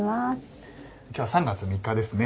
今日は３月３日ですね。